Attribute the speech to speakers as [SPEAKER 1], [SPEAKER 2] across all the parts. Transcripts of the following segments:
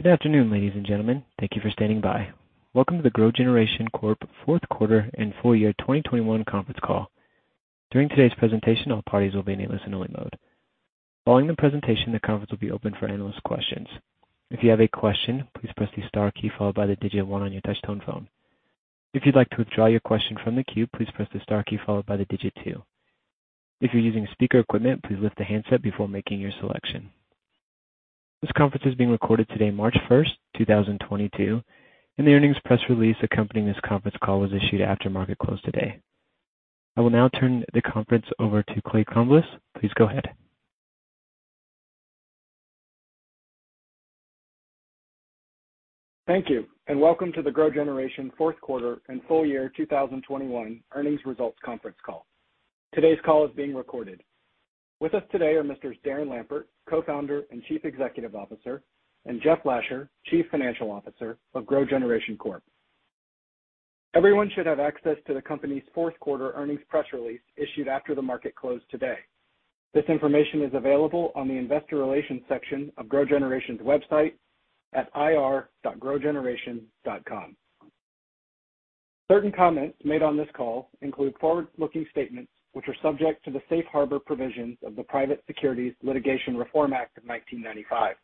[SPEAKER 1] Good afternoon, ladies and gentlemen. Thank you for standing by. Welcome to the GrowGeneration Corp Fourth-Quarter and Full-Year 2021 Conference Call. During today's presentation, all parties will be in a listen-only mode. Following the presentation, the conference will be open for analyst questions. If you have a question, please press the star key followed by the digit one on your touch tone phone. If you'd like to withdraw your question from the queue, please press the star key followed by the digit two. If you're using speaker equipment, please lift the handset before making your selection. This conference is being recorded today, March 1, 2022, and the earnings press release accompanying this conference call was issued after market close today. I will now turn the conference over to Clay Crumbliss. Please go ahead.
[SPEAKER 2] Thank you, and welcome to the GrowGeneration Fourth-Quarter and Full-Year 2021 Earnings Results Conference Call. Today's call is being recorded. With us today are Messrs. Darren Lampert, Co-founder and Chief Executive Officer, and Jeffery Lasher, Chief Financial Officer of GrowGeneration Corp. Everyone should have access to the company's Fourth Quarter Earnings Press Release issued after the market closed today. This information is available on the investor relations section of GrowGeneration's website at ir.growgeneration.com. Certain comments made on this call include forward-looking statements which are subject to the safe harbor provisions of the Private Securities Litigation Reform Act of 1995.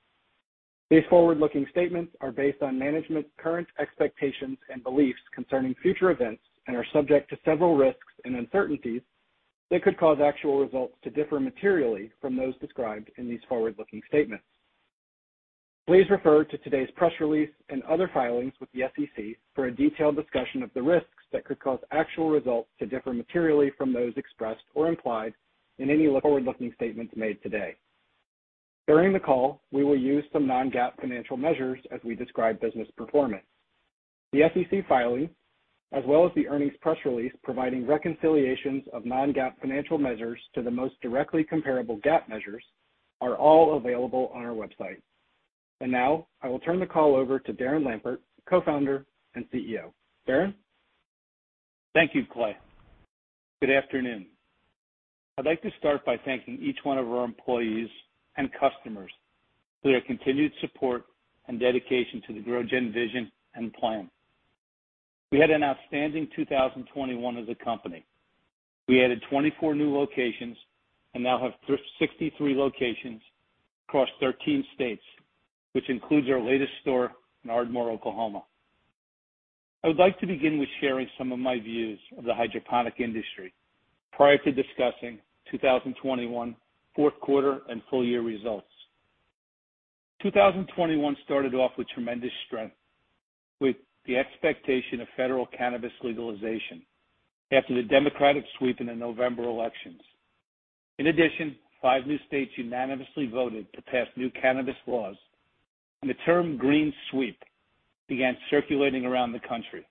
[SPEAKER 2] These forward-looking statements are based on management's current expectations and beliefs concerning future events and are subject to several risks and uncertainties that could cause actual results to differ materially from those described in these forward-looking statements. Please refer to today's press release and other filings with the SEC for a detailed discussion of the risks that could cause actual results to differ materially from those expressed or implied in any forward-looking statements made today. During the call, we will use some non-GAAP financial measures as we describe business performance. The SEC filing as well as the earnings press release providing reconciliations of non-GAAP financial measures to the most directly comparable GAAP measures are all available on our website. Now I will turn the call over to Darren Lampert, Co-founder and CEO. Darren.
[SPEAKER 3] Thank you, Clay. Good afternoon. I'd like to start by thanking each one of our employees and customers for their continued support and dedication to the GrowGen vision and plan. We had an outstanding 2021 as a company. We added 24 new locations and now have 63 locations across 13 states, which includes our latest store in Ardmore, Oklahoma. I would like to begin with sharing some of my views of the hydroponic industry prior to discussing 2021 fourth quarter and full-year results. 2021 started off with tremendous strength with the expectation of federal cannabis legalization after the Democratic sweep in the November elections. In addition, five new states unanimously voted to pass new cannabis laws, and the term green sweep began circulating around the country.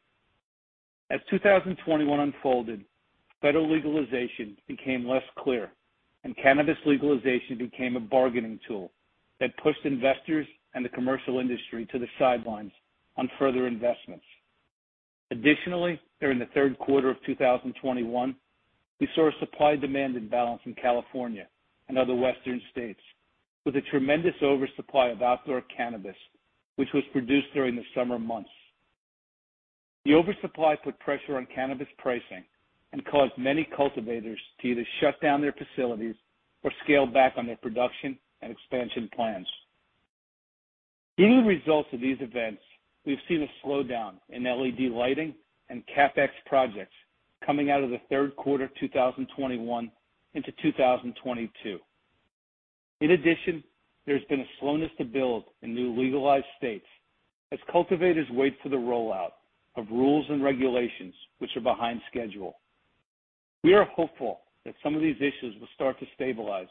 [SPEAKER 3] As 2021 unfolded, federal legalization became less clear, and cannabis legalization became a bargaining tool that pushed investors and the commercial industry to the sidelines on further investments. Additionally, during the third quarter of 2021, we saw a supply-demand imbalance in California and other Western states with a tremendous oversupply of outdoor cannabis, which was produced during the summer months. The oversupply put pressure on cannabis pricing and caused many cultivators to either shut down their facilities or scale back on their production and expansion plans. Due to the results of these events, we've seen a slowdown in LED lighting and CapEx projects coming out of the third quarter 2021 into 2022. In addition, there's been a slowness to build in new legalized states, as cultivators wait for the rollout of rules and regulations, which are behind schedule. We are hopeful that some of these issues will start to stabilize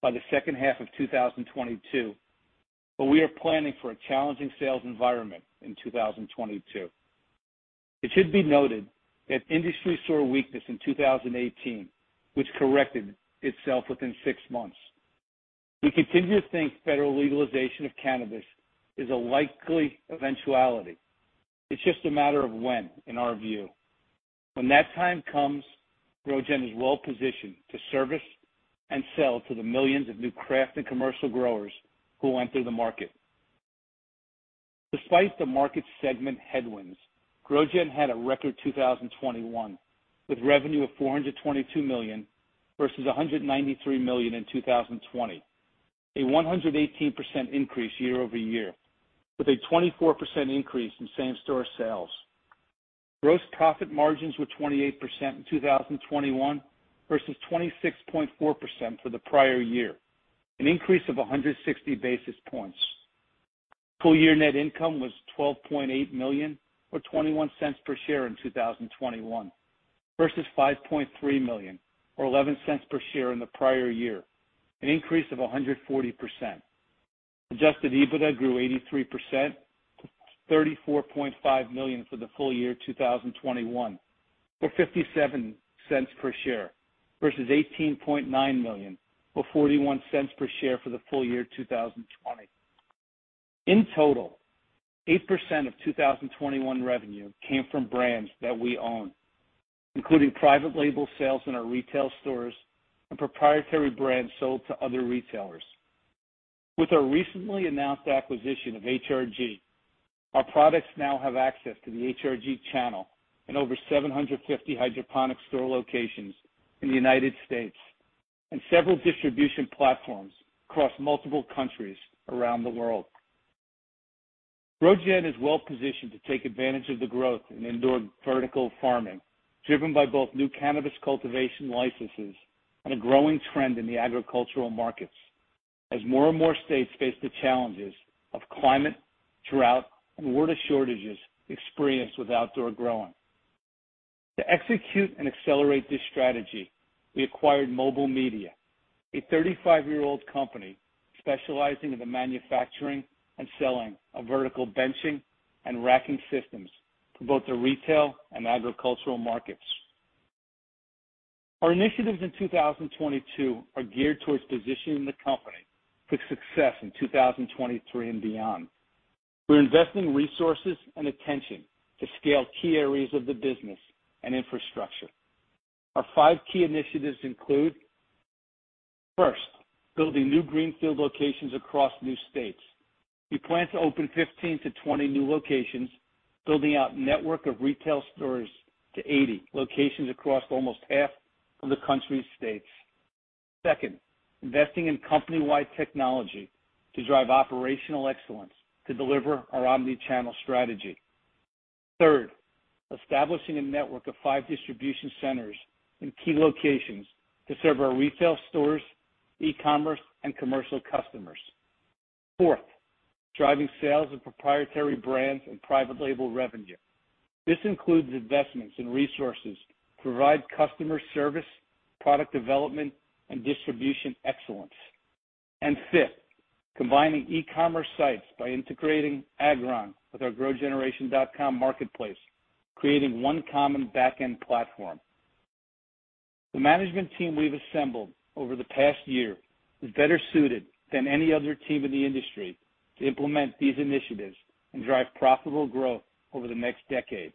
[SPEAKER 3] by the second half of 2022, but we are planning for a challenging sales environment in 2022. It should be noted that industry saw a weakness in 2018, which corrected itself within six months. We continue to think federal legalization of cannabis is a likely eventuality. It's just a matter of when, in our view. When that time comes, GrowGen is well-positioned to service and sell to the millions of new craft and commercial growers who enter the market. Despite the market segment headwinds, GrowGen had a record 2021, with revenue of $422 million versus $193 million in 2020, a 118% increase year-over-year, with a 24% increase in same-store sales. Gross profit margins were 28% in 2021 versus 26.4% for the prior year, an increase of 160 basis points. Full-year net income was $12.8 million or $0.21 per share in 2021 versus $5.3 million or $0.11 per share in the prior year, an increase of 140%. Adjusted EBITDA grew 83% to $34.5 million for the full year 2021, or $0.57 per share, versus $18.9 million or $0.41 per share for the full year 2020. In total, 8% of 2021 revenue came from brands that we own. Including private label sales in our retail stores and proprietary brands sold to other retailers. With our recently announced acquisition of HRG, our products now have access to the HRG channel and over 750 hydroponic store locations in the United States and several distribution platforms across multiple countries around the world. GrowGen is well-positioned to take advantage of the growth in indoor vertical farming, driven by both new cannabis cultivation licenses and a growing trend in the agricultural markets as more and more states face the challenges of climate, drought, and winter shortages experienced with outdoor growing. To execute and accelerate this strategy, we acquired Mobile Media, a 35-year-old company specializing in the manufacturing and selling of vertical benching and racking systems for both the retail and agricultural markets. Our initiatives in 2022 are geared towards positioning the company for success in 2023 and beyond. We're investing resources and attention to scale key areas of the business and infrastructure. Our five key initiatives include, first, building new greenfield locations across new states. We plan to open 15-20 new locations, building out our network of retail stores to 80 locations across almost half of the country's states. Second, investing in company-wide technology to drive operational excellence to deliver our omni-channel strategy. Third, establishing a network of five distribution centers in key locations to serve our retail stores, e-commerce, and commercial customers. Fourth, driving sales of proprietary brands and private label revenue. This includes investments in resources to provide customer service, product development, and distribution excellence. Fifth, combining e-commerce sites by integrating Agron with our growgeneration.com marketplace, creating one common back-end platform. The management team we've assembled over the past year is better suited than any other team in the industry to implement these initiatives and drive profitable growth over the next decade.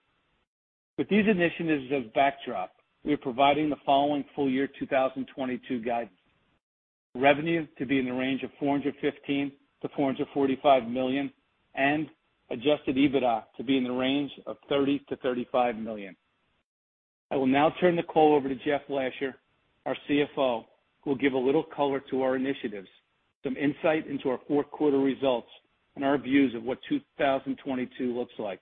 [SPEAKER 3] With these initiatives as backdrop, we are providing the following full year 2022 guidance. Revenue to be in the range of $415 million-$445 million and adjusted EBITDA to be in the range of $30 million-$35 million. I will now turn the call over to Jeff Lasher, our CFO, who will give a little color to our initiatives, some insight into our fourth quarter results and our views of what 2022 looks like.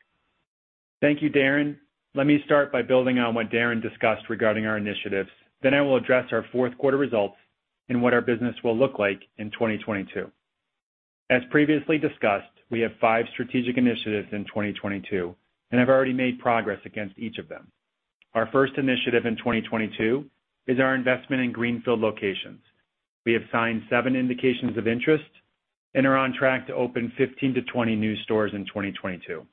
[SPEAKER 4] Thank you, Darren. Let me start by building on what Darren discussed regarding our initiatives. I will address our fourth quarter results and what our business will look like in 2022. As previously discussed, we have five strategic initiatives in 2022, and have already made progress against each of them. Our first initiative in 2022 is our investment in greenfield locations. We have signed seven indications of interest and are on track to open 15-20 new stores in 2022.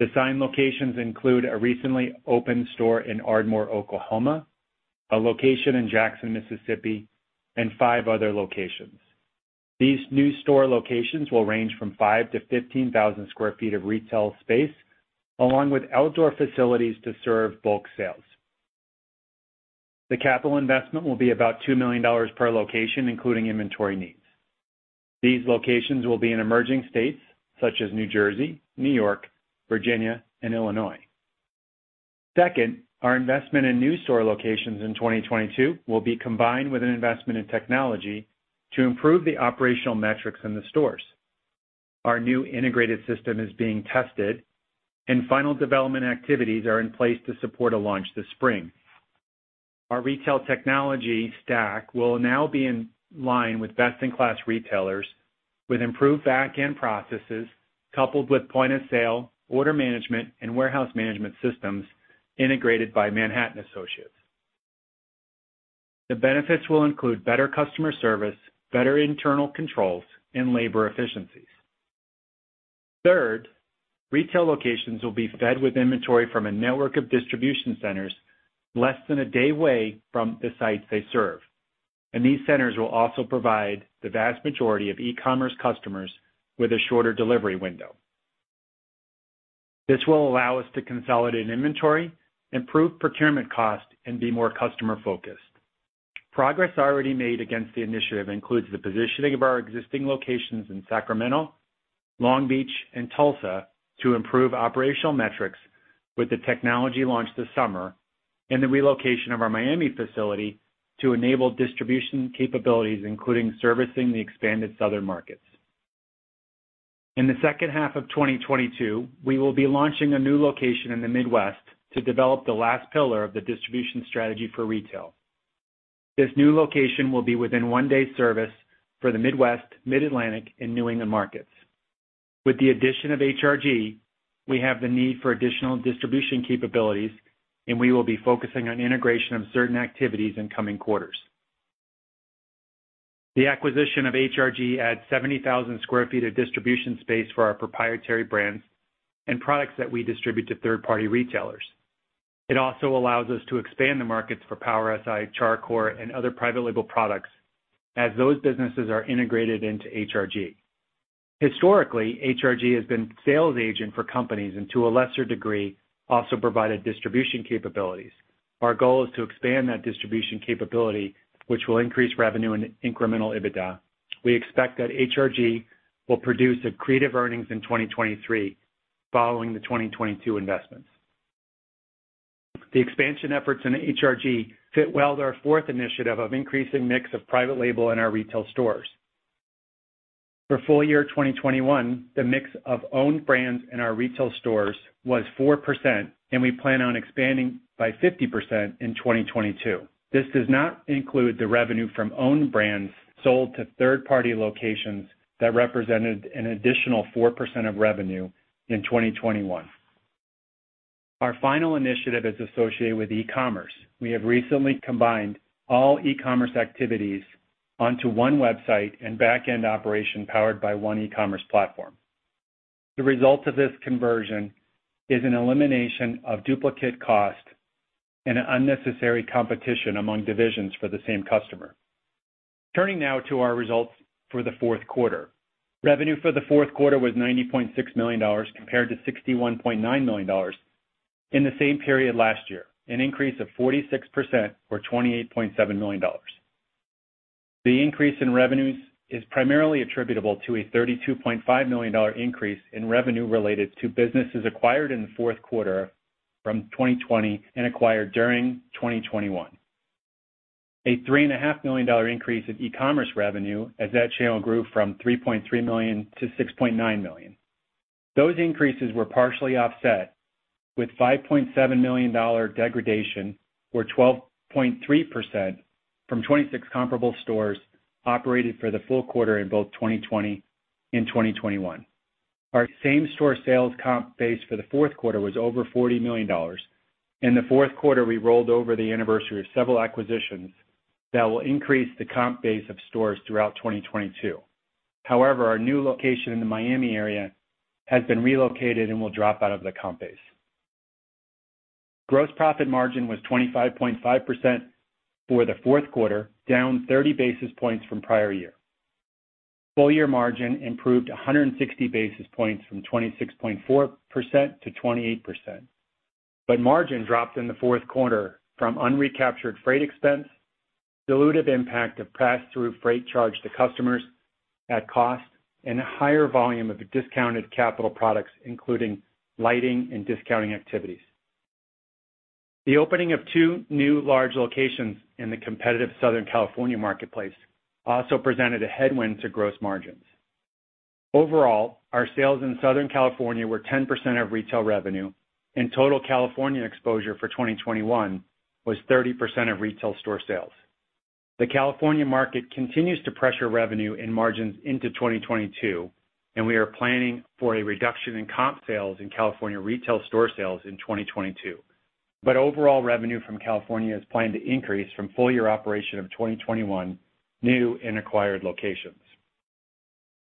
[SPEAKER 4] The signed locations include a recently opened store in Ardmore, Oklahoma, a location in Jackson, Mississippi, and five other locations. These new store locations will range from 5,000-15,000 sq. ft. of retail space, along with outdoor facilities to serve bulk sales. The capital investment will be about $2 million per location, including inventory needs. These locations will be in emerging states such as New Jersey, New York, Virginia, and Illinois. Second, our investment in new store locations in 2022 will be combined with an investment in technology to improve the operational metrics in the stores. Our new integrated system is being tested and final development activities are in place to support a launch this spring. Our retail technology stack will now be in line with best-in-class retailers with improved back-end processes coupled with point-of-sale, order management, and warehouse management systems integrated by Manhattan Associates. The benefits will include better customer service, better internal controls, and labor efficiencies. Third, retail locations will be fed with inventory from a network of distribution centers less than a day away from the sites they serve. These centers will also provide the vast majority of e-commerce customers with a shorter delivery window. This will allow us to consolidate inventory, improve procurement cost, and be more customer-focused. Progress already made against the initiative includes the positioning of our existing locations in Sacramento, Long Beach, and Tulsa to improve operational metrics with the technology launch this summer and the relocation of our Miami facility to enable distribution capabilities, including servicing the expanded southern markets. In the second half of 2022, we will be launching a new location in the Midwest to develop the last pillar of the distribution strategy for retail. This new location will be within one day service for the Midwest, Mid-Atlantic, and New England markets. With the addition of HRG, we have the need for additional distribution capabilities, and we will be focusing on integration of certain activities in coming quarters. The acquisition of HRG adds 70,000 sq. ft. of distribution space for our proprietary brands and products that we distribute to third-party retailers. It also allows us to expand the markets for Power Si, Char Coir, and other private label products as those businesses are integrated into HRG. Historically, HRG has been sales agent for companies and to a lesser degree, also provided distribution capabilities. Our goal is to expand that distribution capability, which will increase revenue and incremental EBITDA. We expect that HRG will produce accretive earnings in 2023 following the 2022 investments. The expansion efforts in HRG fit well with our fourth initiative of increasing mix of private label in our retail stores. For full year 2021, the mix of owned brands in our retail stores was 4%, and we plan on expanding by 50% in 2022. This does not include the revenue from owned brands sold to third-party locations that represented an additional 4% of revenue in 2021. Our final initiative is associated with e-commerce. We have recently combined all e-commerce activities onto one website and back-end operation powered by one e-commerce platform. The result of this conversion is an elimination of duplicate costs and unnecessary competition among divisions for the same customer. Turning now to our results for the fourth quarter. Revenue for the fourth quarter was $90.6 million compared to $61.9 million in the same period last year, an increase of 46% or $28.7 million. The increase in revenues is primarily attributable to a $32.5 million increase in revenue related to businesses acquired in the fourth quarter from 2020 and acquired during 2021. A $3.5 million increase in e-commerce revenue as that channel grew from $3.3 million to $6.9 million. Those increases were partially offset with $5.7 million degradation, or 12.3% from 26 comparable stores operated for the full quarter in both 2020 and 2021. Our same-store sales comp base for the fourth quarter was over $40 million. In the fourth quarter, we rolled over the anniversary of several acquisitions that will increase the comp base of stores throughout 2022. However, our new location in the Miami area has been relocated and will drop out of the comp base. Gross profit margin was 25.5% for the fourth quarter, down 30 basis points from prior year. Full-year margin improved 160 basis points from 26.4% to 28%. Margin dropped in the fourth quarter from unrecaptured freight expense, dilutive impact of pass-through freight charge to customers at cost, and a higher volume of discounted capital products, including lighting and discounting activities. The opening of 2 new large locations in the competitive Southern California marketplace also presented a headwind to gross margins. Overall, our sales in Southern California were 10% of retail revenue, and total California exposure for 2021 was 30% of retail store sales. The California market continues to pressure revenue and margins into 2022, and we are planning for a reduction in comp sales in California retail store sales in 2022. Overall revenue from California is planned to increase from full-year operation of 2021 new and acquired locations.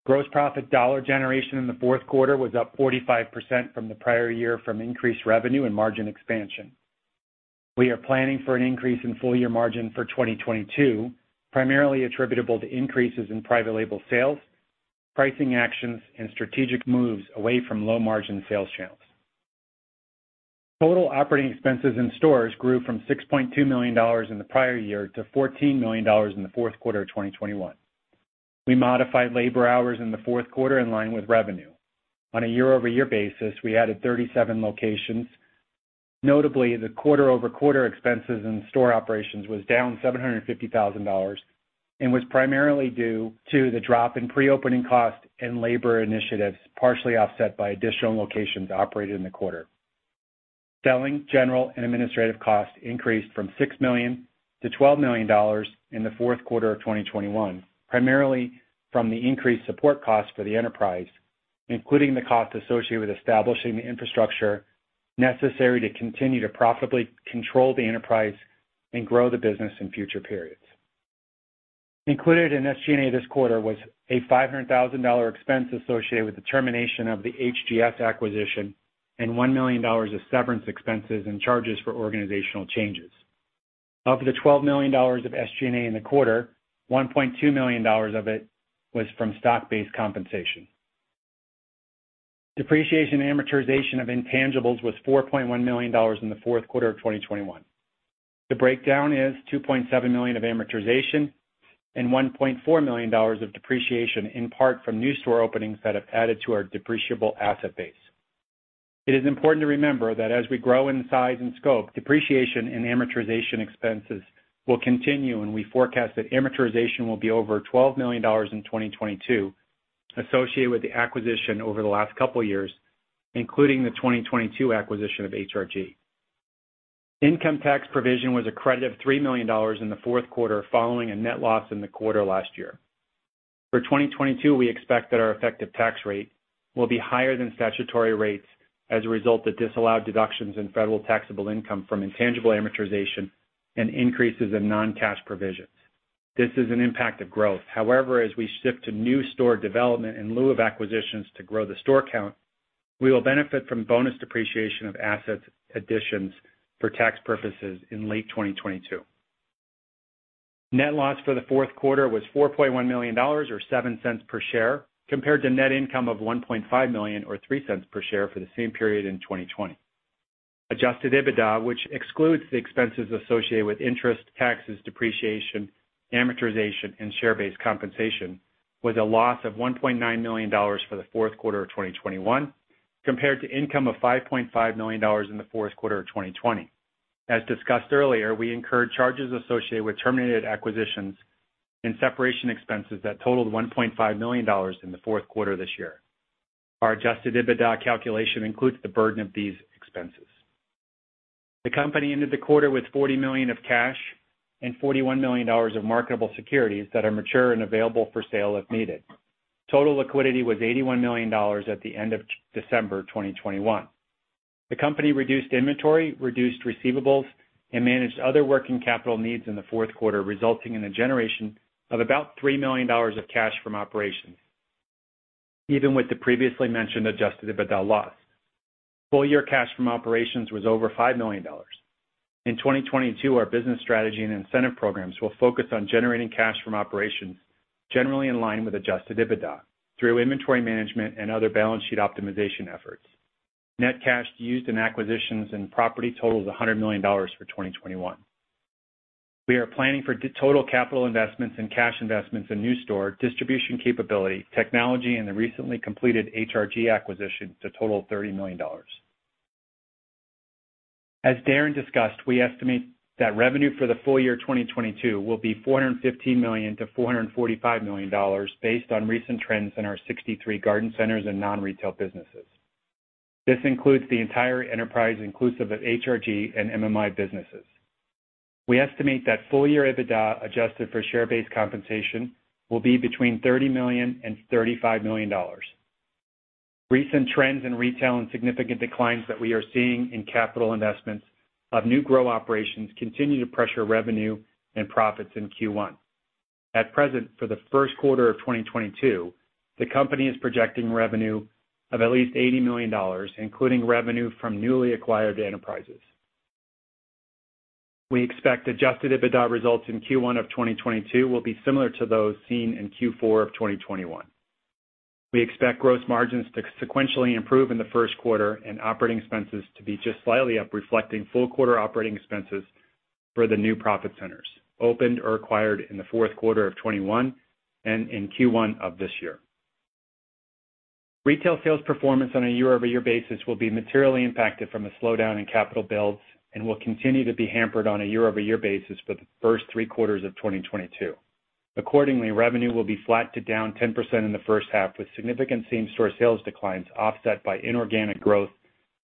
[SPEAKER 4] Gross profit dollar generation in the fourth quarter was up 45% from the prior year from increased revenue and margin expansion. We are planning for an increase in full year margin for 2022, primarily attributable to increases in private label sales, pricing actions, and strategic moves away from low margin sales channels. Total operating expenses in stores grew from $6.2 million in the prior year to $14 million in the fourth quarter of 2021. We modified labor hours in the fourth quarter in line with revenue. On a year-over-year basis, we added 37 locations. Notably, the quarter-over-quarter expenses in store operations was down $750,000 and was primarily due to the drop in pre-opening costs and labor initiatives, partially offset by additional locations operated in the quarter. Selling, general, and administrative costs increased from $6 million to $12 million in the fourth quarter of 2021, primarily from the increased support costs for the enterprise, including the cost associated with establishing the infrastructure necessary to continue to profitably control the enterprise and grow the business in future periods. Included in SG&A this quarter was a $500,000 expense associated with the termination of the HGS acquisition and $1 million of severance expenses and charges for organizational changes. Of the $12 million of SG&A in the quarter, $1.2 million of it was from stock-based compensation. Depreciation and amortization of intangibles was $4.1 million in the fourth quarter of 2021. The breakdown is $2.7 million of amortization and $1.4 million of depreciation, in part from new store openings that have added to our depreciable asset base. It is important to remember that as we grow in size and scope, depreciation and amortization expenses will continue, and we forecast that amortization will be over $12 million in 2022 associated with the acquisition over the last couple of years, including the 2022 acquisition of HRG. Income tax provision was a credit of $3 million in the fourth quarter, following a net loss in the quarter last year. For 2022, we expect that our effective tax rate will be higher than statutory rates as a result of disallowed deductions in federal taxable income from intangible amortization and increases in non-cash provisions. This is an impact of growth. However, as we shift to new store development in lieu of acquisitions to grow the store count, we will benefit from bonus depreciation of assets additions for tax purposes in late 2022. Net loss for the fourth quarter was $4.1 million, or $0.07 per share, compared to net income of $1.5 million, or $0.03 per share for the same period in 2020. Adjusted EBITDA, which excludes the expenses associated with interest, taxes, depreciation, amortization, and share-based compensation, was a loss of $1.9 million for the fourth quarter of 2021, compared to income of $5.5 million in the fourth quarter of 2020. As discussed earlier, we incurred charges associated with terminated acquisitions and separation expenses that totaled $1.5 million in the fourth quarter this year. Our adjusted EBITDA calculation includes the burden of these expenses. The company ended the quarter with $40 million of cash and $41 million of marketable securities that are mature and available for sale if needed. Total liquidity was $81 million at the end of December 2021. The company reduced inventory, reduced receivables, and managed other working capital needs in the fourth quarter, resulting in a generation of about $3 million of cash from operations, even with the previously mentioned adjusted EBITDA loss. Full year cash from operations was over $5 million. In 2022, our business strategy and incentive programs will focus on generating cash from operations generally in line with adjusted EBITDA through inventory management and other balance sheet optimization efforts. Net cash used in acquisitions and property totaled $100 million for 2021. We are planning for total capital investments and cash investments in new store, distribution capability, technology, and the recently completed HRG acquisition to total $30 million. As Darren discussed, we estimate that revenue for the full year 2022 will be $415 million-$445 million based on recent trends in our 63 garden centers and non-retail businesses. This includes the entire enterprise inclusive of HRG and MMI businesses. We estimate that full year EBITDA, adjusted for share-based compensation, will be between $30 million and $35 million. Recent trends in retail and significant declines that we are seeing in capital investments of new grow operations continue to pressure revenue and profits in Q1. At present, for the first quarter of 2022, the company is projecting revenue of at least $80 million, including revenue from newly acquired enterprises. We expect adjusted EBITDA results in Q1 of 2022 will be similar to those seen in Q4 of 2021. We expect gross margins to sequentially improve in the first quarter and operating expenses to be just slightly up, reflecting full quarter operating expenses for the new profit centers opened or acquired in the fourth quarter of 2021 and in Q1 of this year. Retail sales performance on a year-over-year basis will be materially impacted from a slowdown in capital builds and will continue to be hampered on a year-over-year basis for the first three quarters of 2022. Accordingly, revenue will be flat to down 10% in the first half, with significant same-store sales declines offset by inorganic growth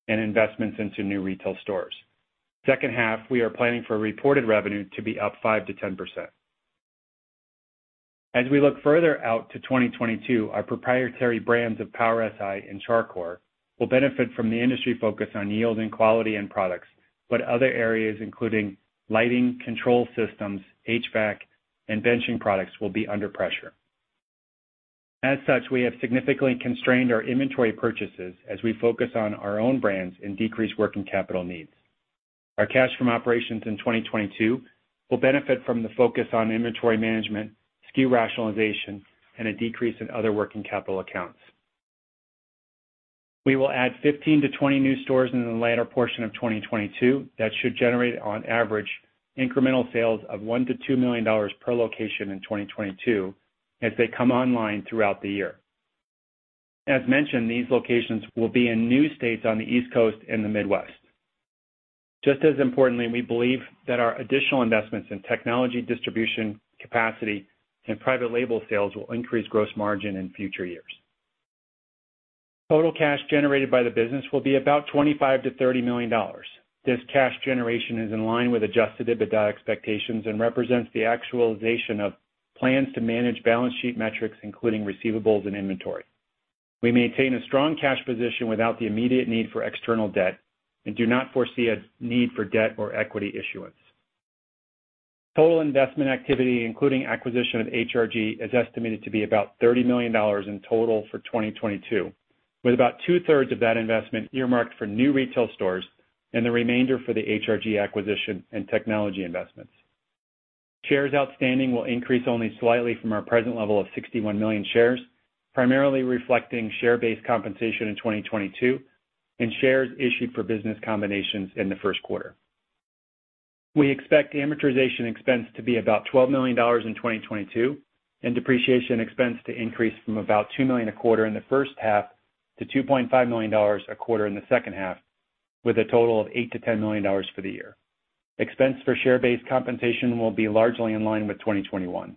[SPEAKER 4] and investments into new retail stores. Second half, we are planning for reported revenue to be up 5%-10%. As we look further out to 2022, our proprietary brands of Power Si and Char Coir will benefit from the industry focus on yield and quality end products, but other areas including lighting, control systems, HVAC, and benching products will be under pressure. As such, we have significantly constrained our inventory purchases as we focus on our own brands and decrease working capital needs. Our cash from operations in 2022 will benefit from the focus on inventory management, SKU rationalization, and a decrease in other working capital accounts. We will add 15-20 new stores in the latter portion of 2022 that should generate, on average, incremental sales of $1 million-$2 million per location in 2022 as they come online throughout the year. As mentioned, these locations will be in new states on the East Coast and the Midwest. Just as importantly, we believe that our additional investments in technology, distribution capacity, and private label sales will increase gross margin in future years. Total cash generated by the business will be about $25 million-$30 million. This cash generation is in line with adjusted EBITDA expectations and represents the actualization of plans to manage balance sheet metrics, including receivables and inventory. We maintain a strong cash position without the immediate need for external debt and do not foresee a need for debt or equity issuance. Total investment activity, including acquisition of HRG, is estimated to be about $30 million in total for 2022, with about two-thirds of that investment earmarked for new retail stores and the remainder for the HRG acquisition and technology investments. Shares outstanding will increase only slightly from our present level of 61 million shares, primarily reflecting share-based compensation in 2022 and shares issued for business combinations in the first quarter. We expect amortization expense to be about $12 million in 2022 and depreciation expense to increase from about $2 million a quarter in the first half to $2.5 million a quarter in the second half, with a total of $8 million-$10 million for the year. Expense for share-based compensation will be largely in line with 2021.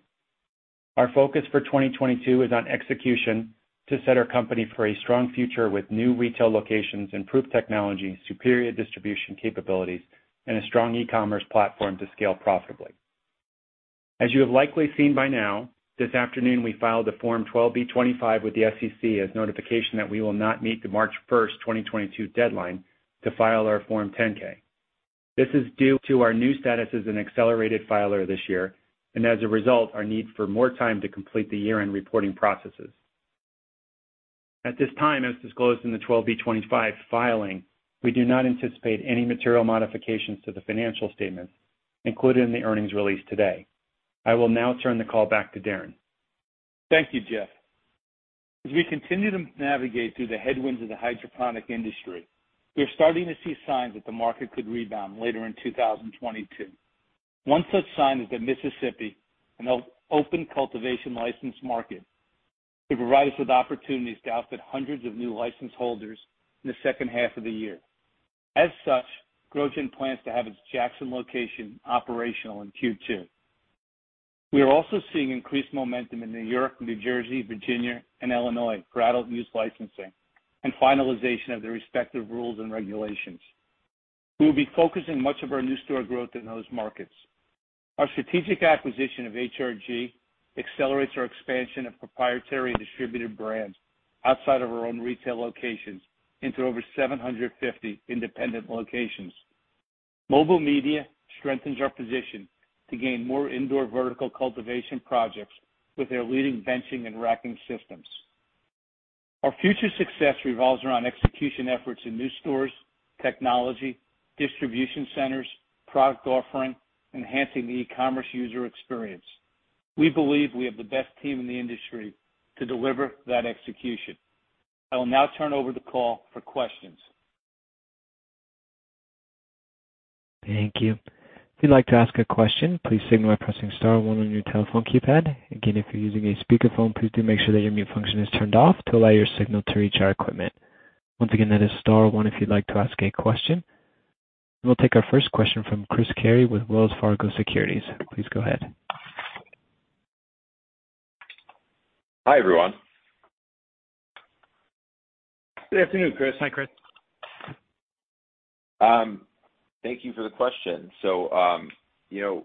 [SPEAKER 4] Our focus for 2022 is on execution to set our company for a strong future with new retail locations, improved technology, superior distribution capabilities, and a strong e-commerce platform to scale profitably. As you have likely seen by now, this afternoon we filed a Form 12b-25 with the SEC as notification that we will not meet the March 1, 2022 deadline to file our Form 10-K. This is due to our new status as an accelerated filer this year, and as a result, our need for more time to complete the year-end reporting processes. At this time, as disclosed in the 12b-25 filing, we do not anticipate any material modifications to the financial statements included in the earnings release today. I will now turn the call back to Darren.
[SPEAKER 3] Thank you, Jeff. As we continue to navigate through the headwinds of the hydroponic industry, we are starting to see signs that the market could rebound later in 2022. One such sign is that Mississippi, an open cultivation license market, could provide us with opportunities to outfit hundreds of new license holders in the second half of the year. As such, GrowGen plans to have its Jackson location operational in Q2. We are also seeing increased momentum in New York, New Jersey, Virginia and Illinois for adult use licensing and finalization of their respective rules and regulations. We will be focusing much of our new store growth in those markets. Our strategic acquisition of HRG accelerates our expansion of proprietary and distributed brands outside of our own retail locations into over 750 independent locations. Mobile Media strengthens our position to gain more indoor vertical cultivation projects with their leading benching and racking systems. Our future success revolves around execution efforts in new stores, technology, distribution centers, product offering, enhancing the e-commerce user experience. We believe we have the best team in the industry to deliver that execution. I will now turn over the call for questions.
[SPEAKER 1] Thank you. If you'd like to ask a question, please signal by pressing star one on your telephone keypad. Again, if you're using a speakerphone, please do make sure that your mute function is turned off to allow your signal to reach our equipment. Once again, that is star one if you'd like to ask a question. We'll take our first question from Chris Carey with Wells Fargo Securities. Please go ahead.
[SPEAKER 5] Hi, everyone.
[SPEAKER 3] Good afternoon, Chris.
[SPEAKER 4] Hi, Chris.
[SPEAKER 5] Thank you for the question. You know,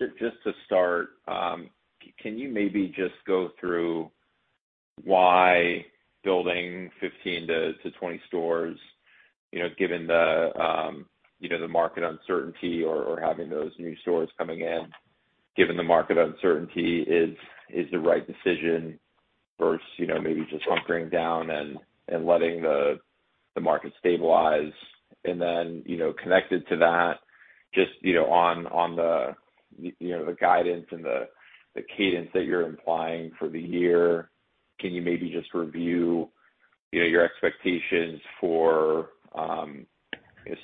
[SPEAKER 5] just to start, can you maybe just go through why building 15 to 20 stores, you know, given the market uncertainty or having those new stores coming in, given the market uncertainty is the right decision versus, you know, maybe just hunkering down and letting the market stabilize. You know, connected to that, just, you know, on the guidance and the cadence that you're implying for the year, can you maybe just review, you know, your expectations for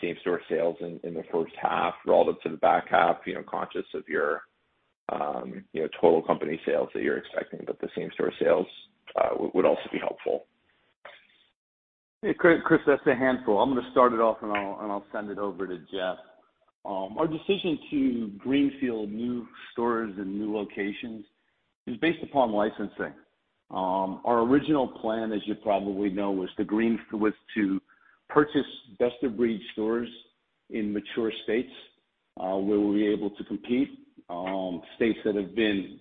[SPEAKER 5] same-store sales in the first half relative to the back half, you know, conscious of your total company sales that you're expecting, but the same-store sales would also be helpful.
[SPEAKER 3] Hey, Chris. That's a handful. I'm gonna start it off, and I'll send it over to Jeff. Our decision to greenfield new stores and new locations is based upon licensing. Our original plan, as you probably know, was to purchase best-of-breed stores in mature states, where we'll be able to compete, states that have been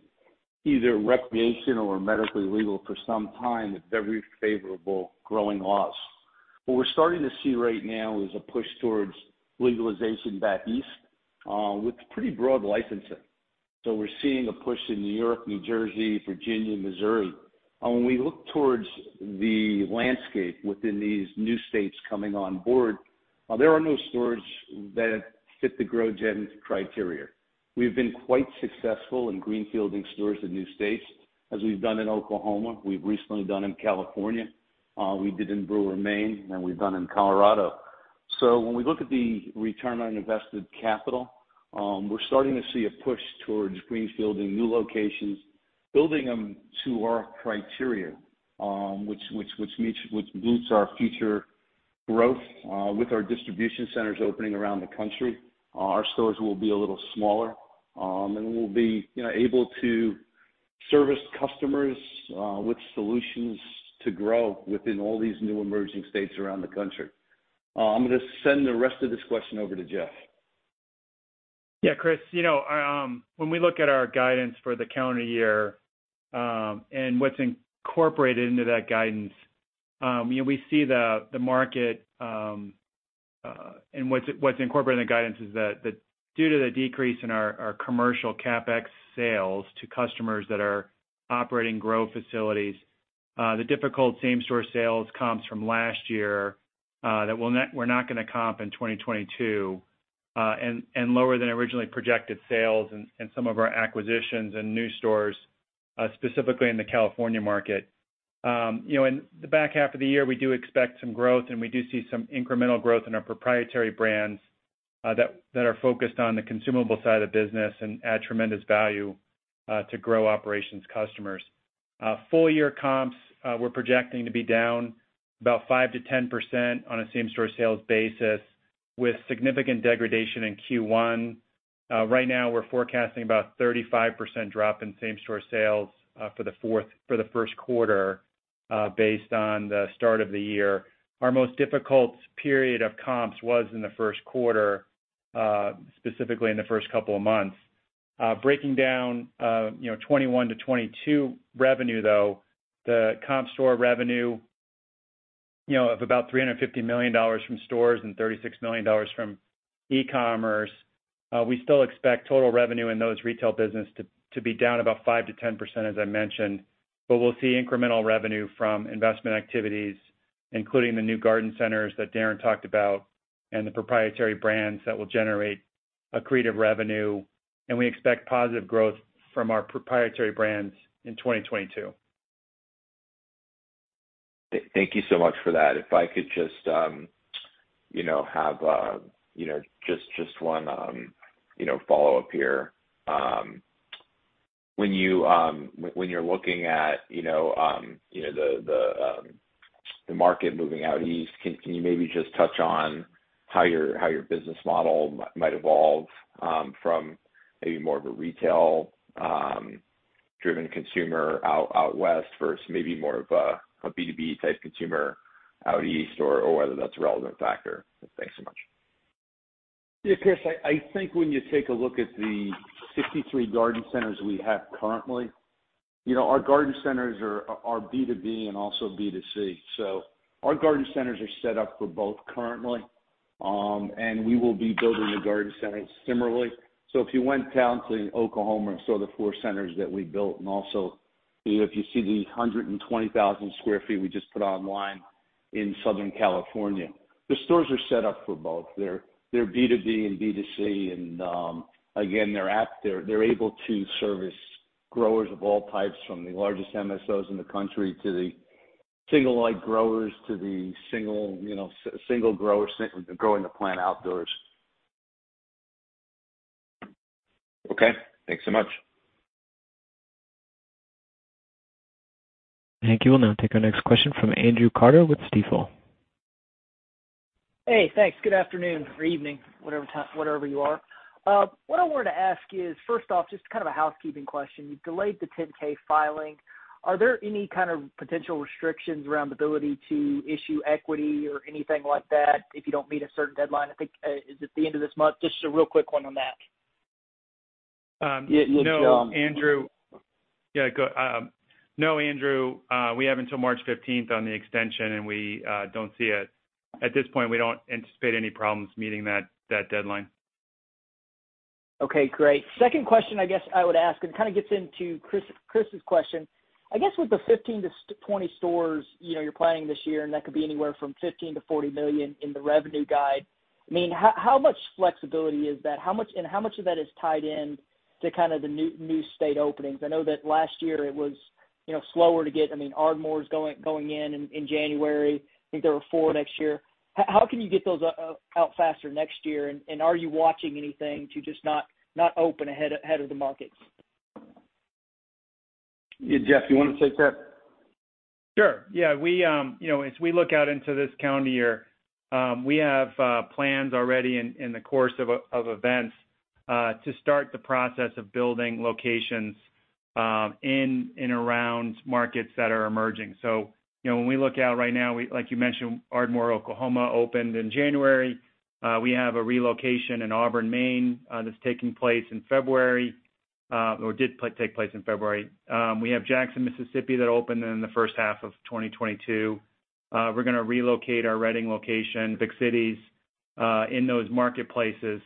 [SPEAKER 3] either recreational or medically legal for some time with very favorable growing laws. What we're starting to see right now is a push towards legalization back east, with pretty broad licensing. We're seeing a push in New York, New Jersey, Virginia, Missouri. When we look towards the landscape within these new states coming on board, there are no stores that fit the GrowGen criteria. We've been quite successful in greenfielding stores in new states, as we've done in Oklahoma, we've recently done in California, we did in Brewer, Maine, and we've done in Colorado. When we look at the return on invested capital, we're starting to see a push towards greenfielding new locations, building them to our criteria, which boosts our future growth, with our distribution centers opening around the country. Our stores will be a little smaller, and we'll be, you know, able to service customers, with solutions to grow within all these new emerging states around the country. I'm gonna send the rest of this question over to Jeff.
[SPEAKER 4] Yeah, Chris, you know, when we look at our guidance for the calendar year, and what's incorporated into that guidance, you know, we see the market, and what's incorporated in the guidance is that due to the decrease in our commercial CapEx sales to customers that are operating grow facilities, the difficult same-store sales comps from last year, that we're not gonna comp in 2022, and lower than originally projected sales in some of our acquisitions and new stores, specifically in the California market. You know, in the back half of the year, we do expect some growth, and we do see some incremental growth in our proprietary brands, that are focused on the consumable side of the business and add tremendous value to grow operations customers. Full year comps, we're projecting to be down about 5%-10% on a same-store sales basis, with significant degradation in Q1. Right now, we're forecasting about 35% drop in same-store sales for the first quarter, based on the start of the year. Our most difficult period of comps was in the first quarter, specifically in the first couple of months. Breaking down, you know, 2021-2022 revenue, though, the comp store revenue, you know, of about $350 million from stores and $36 million from e-commerce. We still expect total revenue in those retail business to be down about 5%-10%, as I mentioned. We'll see incremental revenue from investment activities, including the new garden centers that Darren talked about and the proprietary brands that will generate accretive revenue. We expect positive growth from our proprietary brands in 2022.
[SPEAKER 5] Thank you so much for that. If I could just you know have you know just one you know follow up here. When you're looking at you know the market moving out east, can you maybe just touch on how your business model might evolve from maybe more of a retail driven consumer out west versus maybe more of a B2B type consumer out east, or whether that's a relevant factor? Thanks so much.
[SPEAKER 3] Yeah, Chris, I think when you take a look at the 63 garden centers we have currently, you know, our garden centers are B2B and also B2C. Our garden centers are set up for both currently. We will be building the garden centers similarly. If you went down to Oklahoma and saw the 4 centers that we built, and also if you see the 120,000 sq. ft. we just put online in Southern California, the stores are set up for both. They're B2B and B2C. Again, they're able to service growers of all types from the largest MSOs in the country to the single light growers to the single, you know, single grower growing the plant outdoors.
[SPEAKER 5] Okay, thanks so much.
[SPEAKER 1] Thank you. We'll now take our next question from Andrew Carter with Stifel.
[SPEAKER 6] Hey, thanks. Good afternoon or evening, whatever time, wherever you are. What I wanted to ask is, first off, just kind of a housekeeping question. You've delayed the 10-K filing. Are there any kind of potential restrictions around the ability to issue equity or anything like that if you don't meet a certain deadline? I think, is it the end of this month? Just a real quick one on that.
[SPEAKER 3] Yeah, it's.
[SPEAKER 4] No, Andrew. We have until March fifteenth on the extension, and we don't see it. At this point, we don't anticipate any problems meeting that deadline.
[SPEAKER 6] Okay, great. Second question I guess I would ask, and it kind of gets into Chris's question. I guess with the 15-20 stores, you know, you're planning this year, and that could be anywhere from $15 million-$40 million in the revenue guide, I mean, how much flexibility is that? How much of that is tied in to kind of the new state openings? I know that last year it was, you know, slower to get. I mean, Ardmore's going in in January. I think there are 4 next year. How can you get those out faster next year? And are you watching anything to just not open ahead of the markets?
[SPEAKER 3] Yeah, Jeff, you wanna take that?
[SPEAKER 4] Sure, yeah. We, you know, as we look out into this calendar year, we have plans already in the course of events to start the process of building locations in and around markets that are emerging. You know, when we look out right now, we, like you mentioned, Ardmore, Oklahoma opened in January. We have a relocation in Auburn, Maine, that's taking place in February or did take place in February. We have Jackson, Mississippi that opened in the first half of 2022. We're gonna relocate our Redding location, Tri-Cities, in those marketplaces.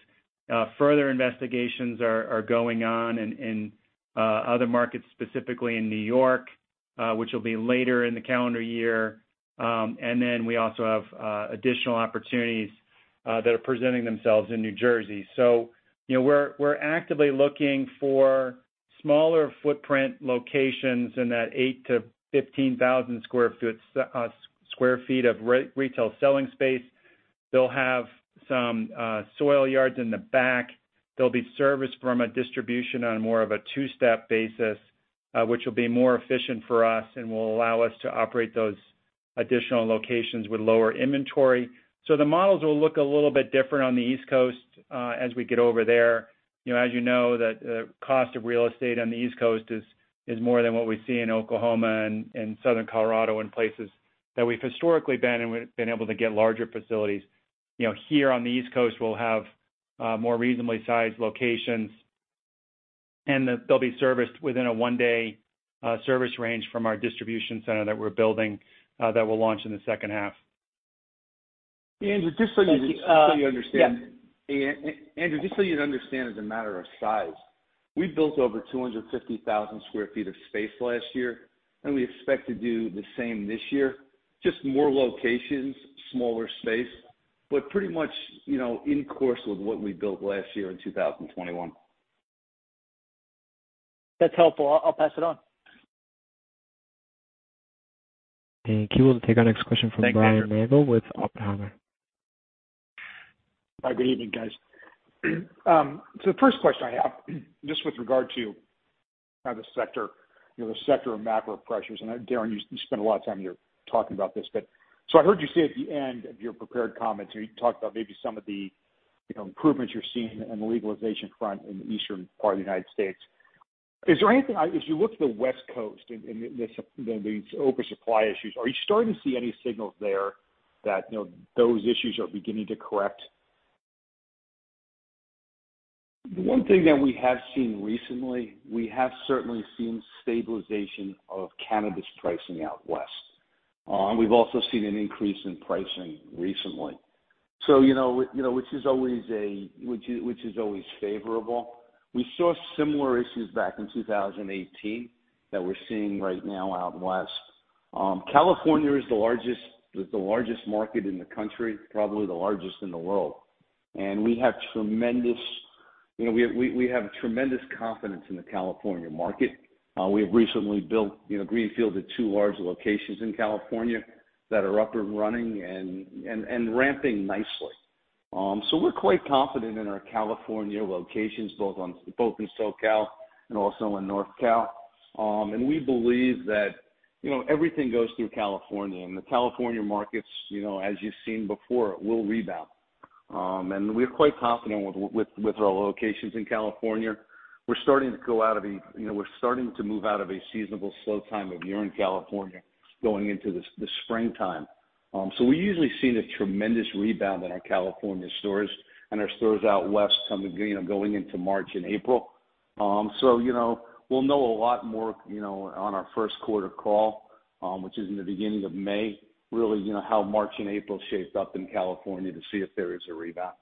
[SPEAKER 4] Further investigations are going on in other markets, specifically in New York, which will be later in the calendar year. We also have additional opportunities that are presenting themselves in New Jersey. You know, we're actively looking for smaller footprint locations in that 8,000-15,000 sq. ft. of retail selling space. They'll have some soil yards in the back. They'll be serviced from a distribution on more of a two-step basis, which will be more efficient for us and will allow us to operate those additional locations with lower inventory. The models will look a little bit different on the East Coast as we get over there. You know, as you know, the cost of real estate on the East Coast is more than what we see in Oklahoma and southern Colorado and places that we've historically been, and we've been able to get larger facilities. You know, here on the East Coast, we'll have more reasonably sized locations, and they'll be serviced within a one-day service range from our distribution center that we're building that we'll launch in the second half.
[SPEAKER 3] Andrew, just so you understand.
[SPEAKER 6] Yeah.
[SPEAKER 3] Andrew, just so you'd understand as a matter of size, we built over 250,000 sq. ft. of space last year, and we expect to do the same this year, just more locations, smaller space, but pretty much, you know, of course with what we built last year in 2021.
[SPEAKER 6] That's helpful. I'll pass it on.
[SPEAKER 1] Thank you. We'll take our next question from Brian Nagel with Oppenheimer.
[SPEAKER 7] Hi, good evening, guys. The first question I have, just with regard to, kind of, the sector, you know, the sector of macro pressures, and Darren, you spent a lot of time here talking about this. I heard you say at the end of your prepared comments, you know, you talked about maybe some of the, you know, improvements you're seeing on the legalization front in the eastern part of the United States. If you look to the West Coast and the oversupply issues, are you starting to see any signals there that, you know, those issues are beginning to correct?
[SPEAKER 3] The one thing that we have seen recently, we have certainly seen stabilization of cannabis pricing out west. We've also seen an increase in pricing recently. You know, which is always favorable. We saw similar issues back in 2018 that we're seeing right now out west. California is the largest market in the country, probably the largest in the world. We have tremendous, you know, confidence in the California market. We have recently built, you know, greenfield at two large locations in California that are up and running and ramping nicely. We're quite confident in our California locations, both in SoCal and also in NorthCal. We believe that, you know, everything goes through California and the California markets, you know, as you've seen before, it will rebound. We're quite confident with our locations in California. We're starting to move out of a seasonal slow time of year in California going into the springtime. We usually see the tremendous rebound in our California stores and our stores out west come the beginning of going into March and April. You know, we'll know a lot more on our first quarter call, which is in the beginning of May, really, you know, how March and April shape up in California to see if there is a rebound.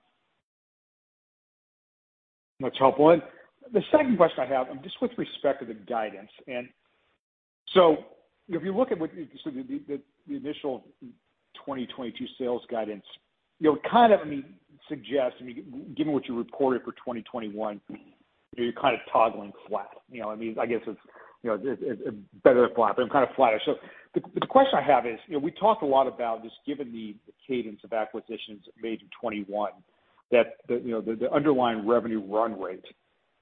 [SPEAKER 7] That's helpful. The second question I have, just with respect to the guidance. If you look at what the initial 2022 sales guidance, it would kind of, I mean, suggest, I mean, given what you reported for 2021, you're kind of toggling flat. You know, I mean, I guess it's, you know, it better flat, but kind of flattish. The question I have is, you know, we talk a lot about just given the cadence of acquisitions made in 2021, that the, you know, the underlying revenue run rate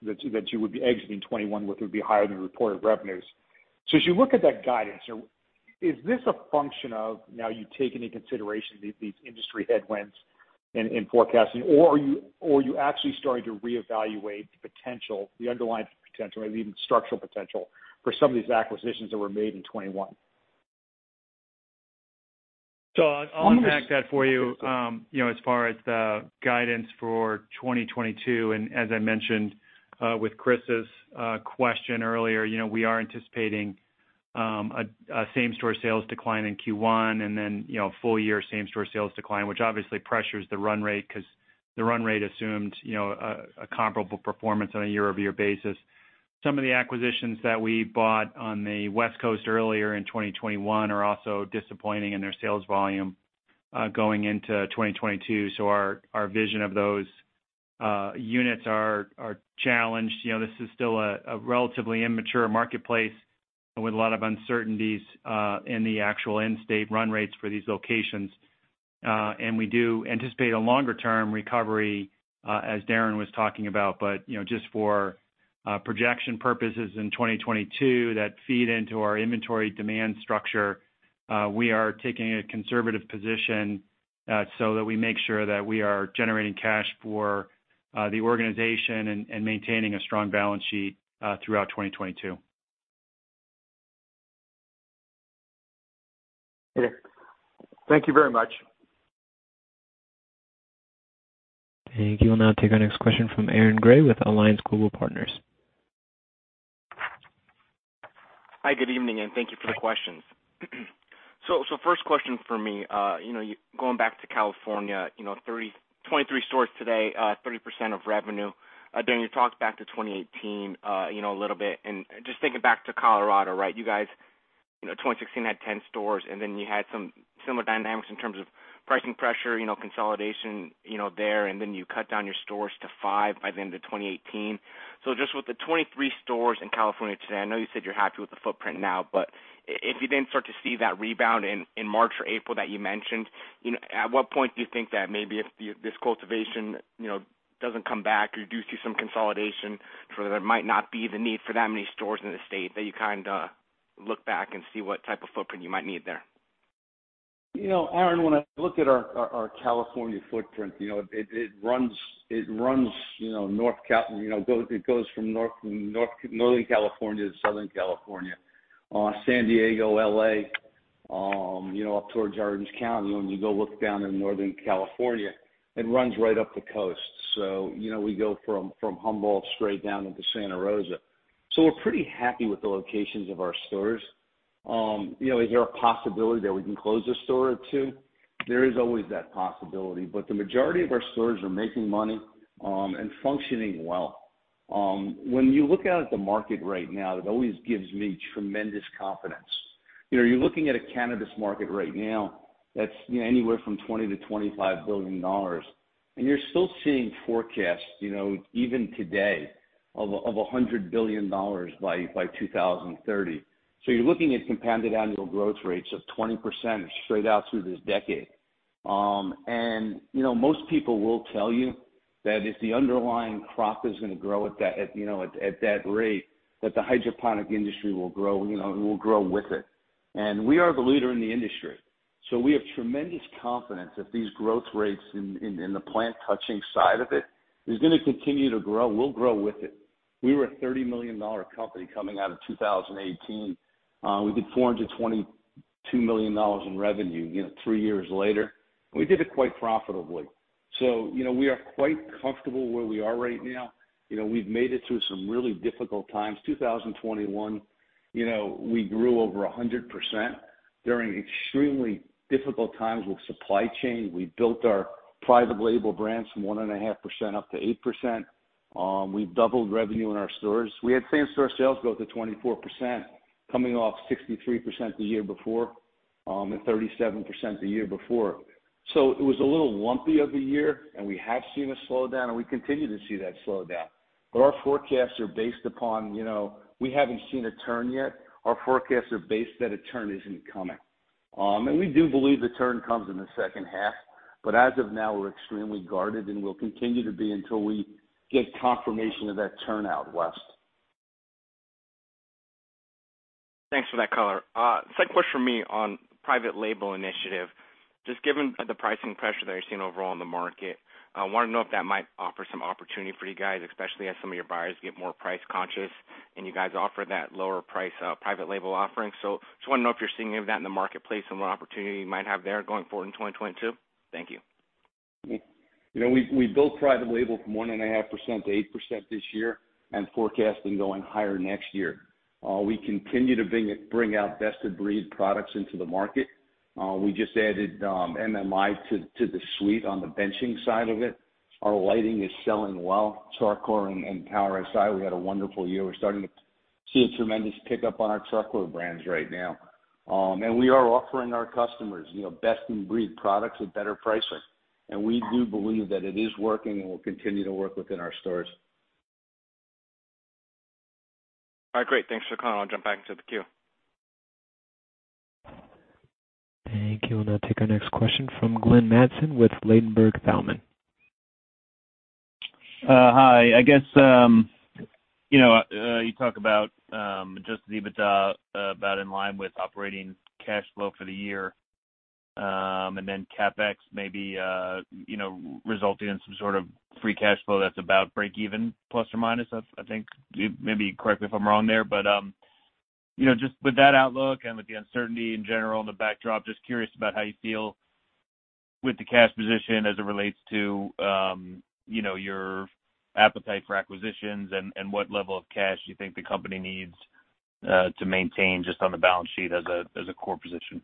[SPEAKER 7] that you would be exiting 2021, which would be higher than reported revenues. As you look at that guidance, is this a function of now you take into consideration these industry headwinds in forecasting? Are you actually starting to reevaluate the potential, the underlying potential or even structural potential for some of these acquisitions that were made in 2021?
[SPEAKER 4] I'll unpack that for you know, as far as the guidance for 2022. As I mentioned, with Chris's question earlier, you know, we are anticipating a same-store sales decline in Q1 and then, you know, full year same-store sales decline, which obviously pressures the run rate because the run rate assumed, you know, a comparable performance on a year-over-year basis. Some of the acquisitions that we bought on the West Coast earlier in 2021 are also disappointing in their sales volume going into 2022. Our vision of those units are challenged. You know, this is still a relatively immature marketplace and with a lot of uncertainties in the actual end state run rates for these locations. And we do anticipate a longer term recovery as Darren was talking about. You know, just for projection purposes in 2022 that feed into our inventory demand structure, we are taking a conservative position, so that we make sure that we are generating cash for the organization and maintaining a strong balance sheet throughout 2022.
[SPEAKER 7] Thank you. Thank you very much.
[SPEAKER 1] Thank you. We'll now take our next question from Aaron Grey with Alliance Global Partners.
[SPEAKER 8] Hi, good evening, and thank you for the questions. First question for me, you know, going back to California, you know, 23 stores today, 30% of revenue. Darren, you talked back to 2018, you know, a little bit. Just thinking back to Colorado, right? You guys, you know, 2016 had 10 stores, and then you had some similar dynamics in terms of pricing pressure, you know, consolidation, you know, there. Then you cut down your stores to five by the end of 2018. Just with the 23 stores in California today, I know you said you're happy with the footprint now, but if you didn't start to see that rebound in March or April that you mentioned, you know, at what point do you think that maybe if this cultivation, you know, doesn't come back or do see some consolidation, so there might not be the need for that many stores in the state that you kinda look back and see what type of footprint you might need there?
[SPEAKER 3] You know, Aaron, when I look at our California footprint, you know, it runs, you know, it goes from Northern California to Southern California, San Diego, L.A., you know, up towards Orange County. When you go look down in Northern California, it runs right up the coast. You know, we go from Humboldt straight down into Santa Rosa. We're pretty happy with the locations of our stores. You know, is there a possibility that we can close a store or two? There is always that possibility, but the majority of our stores are making money and functioning well. When you look out at the market right now, that always gives me tremendous confidence. You know, you're looking at a cannabis market right now that's, you know, anywhere from $20 billion-$25 billion, and you're still seeing forecasts, you know, even today of a $100 billion by 2030. You're looking at compounded annual growth rates of 20% straight out through this decade. You know, most people will tell you that if the underlying crop is gonna grow at that, you know, at that rate, that the hydroponic industry will grow, you know, will grow with it. We are the leader in the industry, so we have tremendous confidence that these growth rates in the plant touching side of it is gonna continue to grow. We'll grow with it. We were a $30 million company coming out of 2018. We did $422 million in revenue, you know, three years later. We did it quite profitably. You know, we are quite comfortable where we are right now. You know, we've made it through some really difficult times. 2021, you know, we grew over 100% during extremely difficult times with supply chain. We built our private label brands from 1.5% up to 8%. We've doubled revenue in our stores. We had same-store sales growth of 24% coming off 63% the year before, and 37% the year before. It was a little lumpy of a year, and we have seen a slowdown, and we continue to see that slowdown. Our forecasts are based upon, you know, we haven't seen a turn yet. Our forecasts are based that a turn isn't coming. We do believe the turn comes in the second half, but as of now, we're extremely guarded, and we'll continue to be until we get confirmation of that turn out west.
[SPEAKER 8] Thanks for that color. Second question from me on private label initiative. Just given the pricing pressure that you're seeing overall in the market, I wanna know if that might offer some opportunity for you guys, especially as some of your buyers get more price conscious, and you guys offer that lower price, private label offering. Just wanna know if you're seeing any of that in the marketplace and what opportunity you might have there going forward in 2022. Thank you.
[SPEAKER 3] You know, we built private label from 1.5% to 8% this year and forecasting going higher next year. We continue to bring out best-of-breed products into the market. We just added MMI to the suite on the benching side of it. Our lighting is selling well. Char Coir and Power Si, we had a wonderful year. We're starting to see a tremendous pickup on our Char Coir brands right now. We are offering our customers, you know, best-in-breed products with better pricing. We do believe that it is working and will continue to work within our stores.
[SPEAKER 8] All right, great. Thanks for calling. I'll jump back into the queue.
[SPEAKER 1] Thank you. We'll now take our next question from Glenn Mattson with Ladenburg Thalmann.
[SPEAKER 9] Hi. I guess, you know, you talk about adjusted EBITDA about in line with operating cash flow for the year. Then CapEx maybe, you know, resulting in some sort of free cash flow that's about break even, plus or minus, I think. Maybe correct me if I'm wrong there. You know, just with that outlook and with the uncertainty in general and the backdrop, just curious about how you feel with the cash position as it relates to, you know, your appetite for acquisitions and what level of cash you think the company needs to maintain just on the balance sheet as a core position.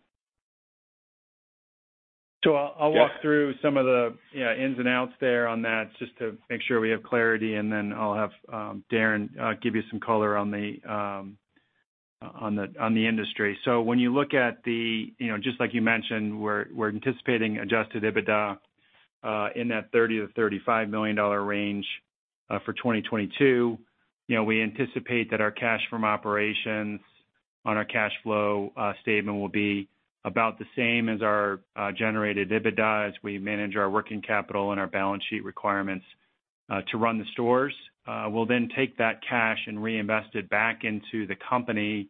[SPEAKER 4] I'll walk through some of the, you know, ins and outs there on that just to make sure we have clarity, and then I'll have Darren give you some color on the industry. When you look at the, you know, just like you mentioned, we're anticipating adjusted EBITDA in that $30 million-$35 million range for 2022. You know, we anticipate that our cash from operations on our cash flow statement will be about the same as our generated EBITDA as we manage our working capital and our balance sheet requirements to run the stores. We'll take that cash and reinvest it back into the company,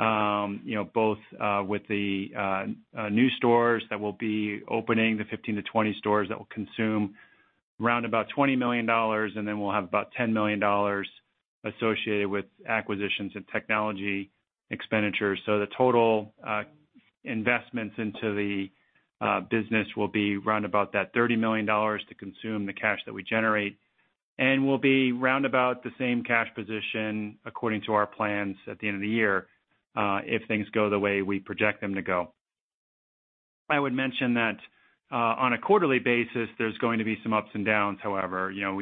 [SPEAKER 4] you know, both with the new stores that we'll be opening, the 15-20 stores that will consume around about $20 million, and then we'll have about $10 million associated with acquisitions and technology expenditures. The total investments into the business will be around about that $30 million to consume the cash that we generate. We'll be round about the same cash position according to our plans at the end of the year, if things go the way we project them to go. I would mention that on a quarterly basis, there's going to be some ups and downs, however. You know,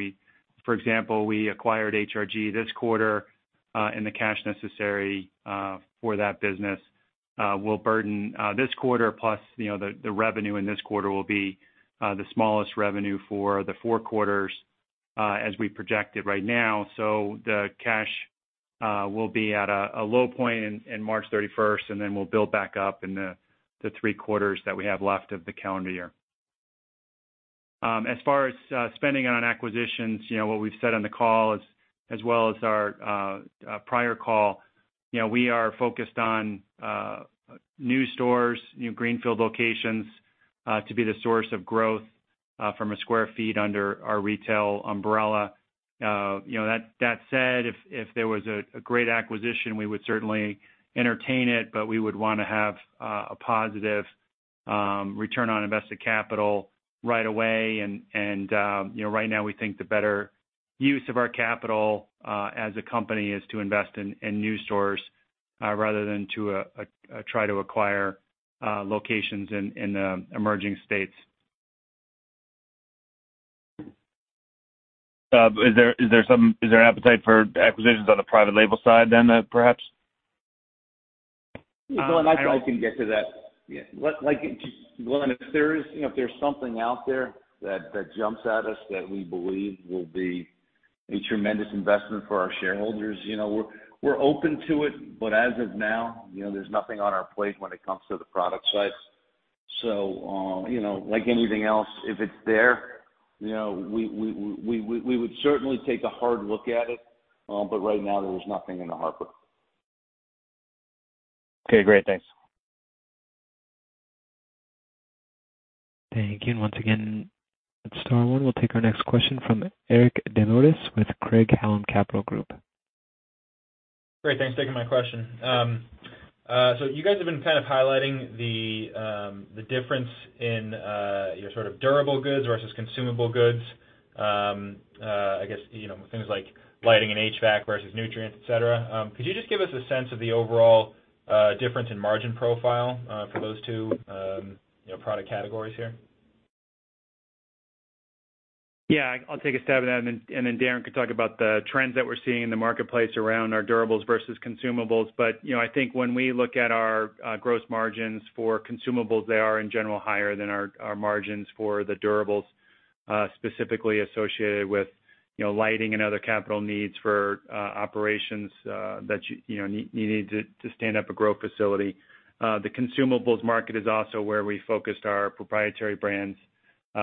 [SPEAKER 4] for example, we acquired HRG this quarter, and the cash necessary for that business will burden this quarter, plus, you know, the revenue in this quarter will be the smallest revenue for the four quarters as we project it right now. The cash will be at a low point in March thirty-first, and then we'll build back up in the three quarters that we have left of the calendar year. As far as spending on acquisitions, you know, what we've said on the call as well as our prior call, you know, we are focused on new stores, new greenfield locations to be the source of growth from a square feet under our retail umbrella. You know, that said, if there was a great acquisition, we would certainly entertain it, but we would wanna have a positive return on invested capital right away. You know, right now we think the better use of our capital as a company is to invest in new stores rather than to try to acquire locations in emerging states.
[SPEAKER 9] Is there some appetite for acquisitions on the private label side then, perhaps?
[SPEAKER 3] Glenn, I can get to that. Yeah. Like, Glenn, if there is, you know, if there's something out there that jumps at us that we believe will be a tremendous investment for our shareholders, you know, we're open to it. As of now, you know, there's nothing on our plate when it comes to the product side. You know, like anything else, if it's there, you know, we would certainly take a hard look at it. Right now there is nothing on the horizon.
[SPEAKER 9] Okay, great. Thanks.
[SPEAKER 1] Thank you. Once again, hit star one. We'll take our next question from Eric Des Lauriers with Craig-Hallum Capital Group.
[SPEAKER 10] Great. Thanks for taking my question. You guys have been kind of highlighting the difference in your sort of durable goods versus consumable goods, I guess, you know, things like lighting and HVAC versus nutrients, et cetera. Could you just give us a sense of the overall difference in margin profile for those two, you know, product categories here?
[SPEAKER 4] Yeah, I'll take a stab at that, and then Darren could talk about the trends that we're seeing in the marketplace around our durables versus consumables. You know, I think when we look at our gross margins for consumables, they are, in general, higher than our margins for the durables, specifically associated with, you know, lighting and other capital needs for operations that you know, you need to stand up a grow facility. The consumables market is also where we focused our proprietary brands,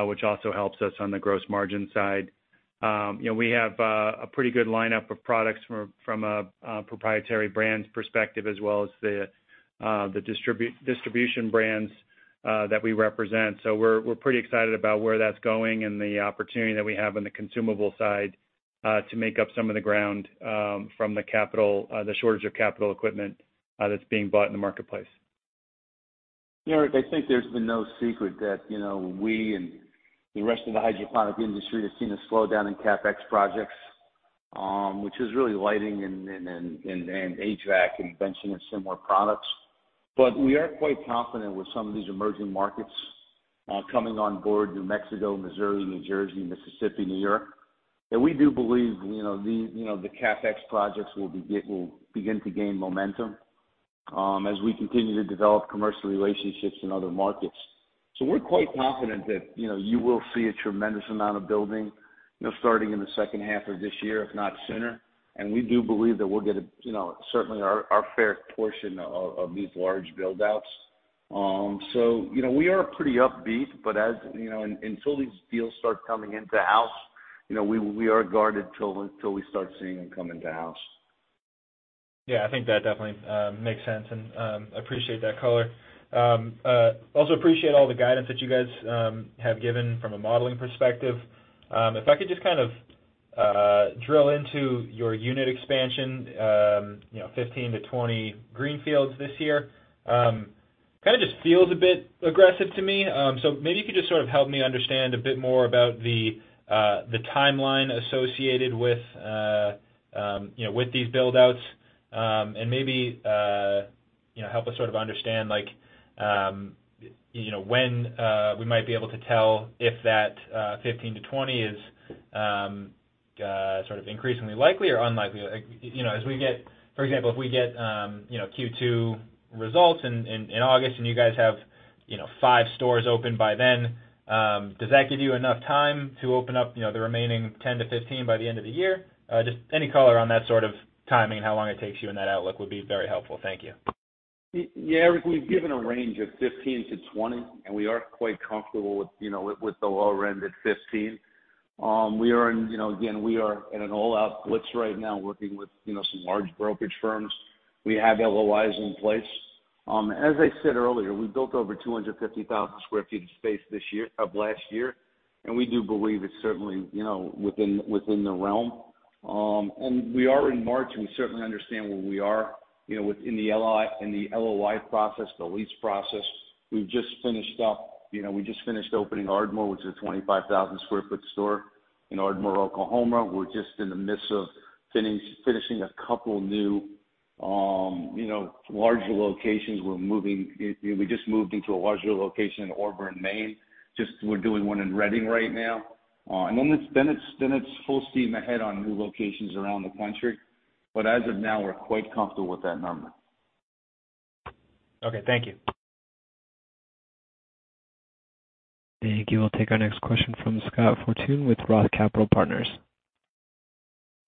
[SPEAKER 4] which also helps us on the gross margin side. You know, we have a pretty good lineup of products from a proprietary brands perspective as well as the distribution brands that we represent. We're pretty excited about where that's going and the opportunity that we have on the consumable side to make up some of the ground from the shortage of capital equipment that's being bought in the marketplace.
[SPEAKER 3] Yeah, Eric, I think there's been no secret that, you know, we and the rest of the hydroponic industry has seen a slowdown in CapEx projects, which is really lighting and HVAC and benching and similar products. We are quite confident with some of these emerging markets coming on board, New Mexico, Missouri, New Jersey, Mississippi, New York, that we do believe, you know, the CapEx projects will begin to gain momentum as we continue to develop commercial relationships in other markets. We're quite confident that, you know, you will see a tremendous amount of building, you know, starting in the second half of this year, if not sooner. We do believe that we'll get a, you know, certainly our fair portion of these large build outs. you know, we are pretty upbeat, but as you know, until these deals start coming into house, you know, we are guarded till we start seeing them come into house.
[SPEAKER 10] Yeah, I think that definitely makes sense, and appreciate that color. Also appreciate all the guidance that you guys have given from a modeling perspective. If I could just kind of drill into your unit expansion, you know, 15-20 greenfields this year, kind of just feels a bit aggressive to me. Maybe you could just sort of help me understand a bit more about the timeline associated with, you know, with these build outs, and maybe, you know, help us sort of understand, like, you know, when we might be able to tell if that 15-20 is sort of increasingly likely or unlikely. Like, you know, for example, if we get, you know, Q2 results in August and you guys have, you know, 5 stores open by then, does that give you enough time to open up, you know, the remaining 10-15 by the end of the year? Just any color on that sort of timing and how long it takes you in that outlook would be very helpful. Thank you.
[SPEAKER 3] Yeah, Eric, we've given a range of 15-20, and we are quite comfortable with the lower end at 15. We are in an all-out blitz right now working with some large brokerage firms. We have LOIs in place. As I said earlier, we built over 250,000 sq. ft. of space last year, and we do believe it's certainly within the realm. We are in March, and we certainly understand where we are within the LOI process, the lease process. We've just finished opening Ardmore, which is a 25,000 sq. ft. store in Ardmore, Oklahoma. We're just in the midst of finishing a couple new larger locations. You know, we just moved into a larger location in Auburn, Maine. We're just doing one in Tri-Cities right now. Then it's full steam ahead on new locations around the country. As of now, we're quite comfortable with that number.
[SPEAKER 10] Okay, thank you.
[SPEAKER 1] Thank you. We'll take our next question from Scott Fortune with Roth Capital Partners.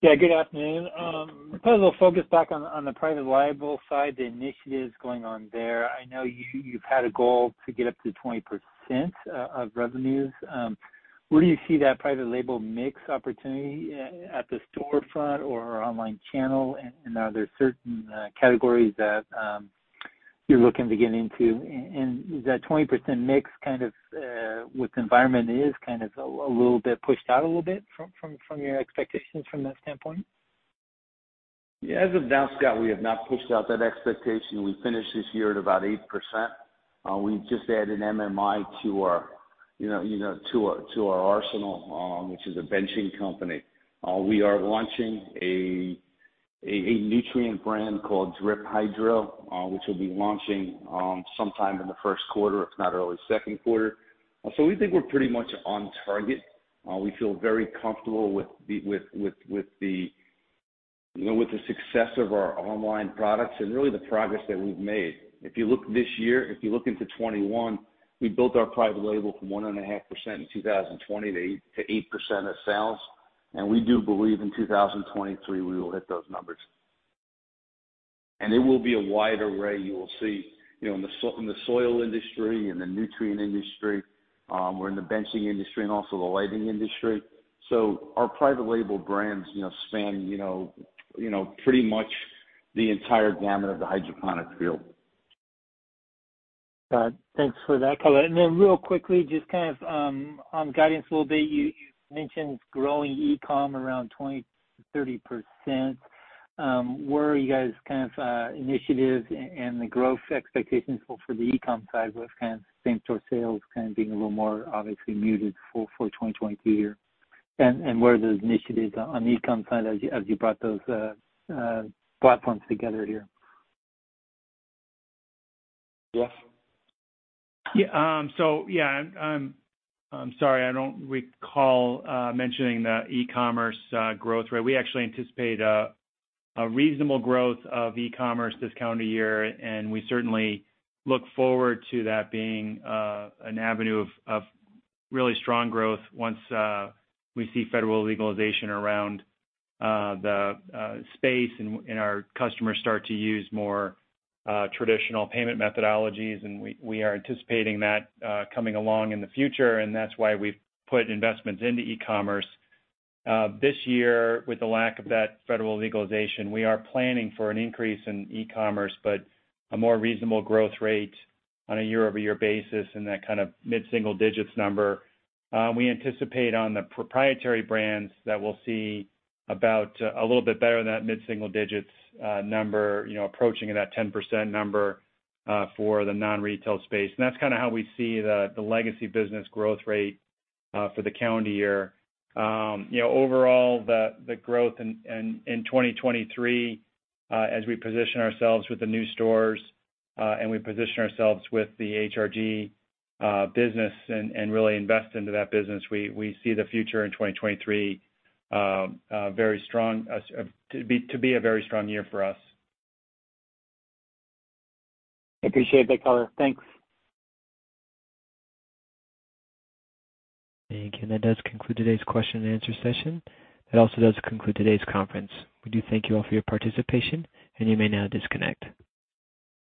[SPEAKER 11] Yeah, good afternoon. I propose we focus back on the private label side, the initiatives going on there. I know you've had a goal to get up to 20% of revenues. Where do you see that private label mix opportunity at the storefront or online channel? And are there certain categories that you're looking to get into? And is that 20% mix kind of with the environment kind of a little bit pushed out a little bit from your expectations from that standpoint?
[SPEAKER 3] Yeah. As of now, Scott, we have not pushed out that expectation. We finished this year at about 8%. We just added MMI to our, you know, to our arsenal, which is a benching company. We are launching a nutrient brand called Drip Hydro, which will be launching sometime in the first quarter, if not early second quarter. So we think we're pretty much on target. We feel very comfortable with the, you know, with the success of our online products and really the progress that we've made. If you look this year, if you look into 2021, we built our private label from 1.5% in 2020 to 8% of sales, and we do believe in 2023, we will hit those numbers. It will be a wide array. You will see, you know, in the soil industry, in the nutrient industry, or in the benching industry and also the lighting industry. Our private label brands, you know, span, you know, pretty much
[SPEAKER 4] The entire gamut of the hydroponics field.
[SPEAKER 11] Got it. Thanks for that color. Real quickly, just kind of on guidance a little bit, you mentioned growing e-com around 20%-30%. Where are you guys kind of initiatives and the growth expectations for the e-com side with kind of same-store sales kind of being a little more obviously muted for 2022. Where are those initiatives on the e-com side as you brought those platforms together here?
[SPEAKER 4] I'm sorry, I don't recall mentioning the e-commerce growth rate. We actually anticipate a reasonable growth of e-commerce this calendar year, and we certainly look forward to that being an avenue of really strong growth once we see federal legalization around the space and our customers start to use more traditional payment methodologies. We are anticipating that coming along in the future, and that's why we've put investments into e-commerce. This year, with the lack of that federal legalization, we are planning for an increase in e-commerce, but a more reasonable growth rate on a year-over-year basis in that kind of mid-single digits %. We anticipate on the proprietary brands that we'll see about a little bit better than that mid-single digits number, you know, approaching that 10% number for the non-retail space. That's kinda how we see the legacy business growth rate for the calendar year. You know, overall the growth in 2023, as we position ourselves with the new stores and we position ourselves with the HRG business and really invest into that business, we see the future in 2023 very strong, to be a very strong year for us.
[SPEAKER 11] I appreciate that color. Thanks.
[SPEAKER 1] Thank you. That does conclude today's question and answer session. That also does conclude today's conference. We do thank you all for your participation, and you may now disconnect.